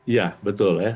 ya betul ya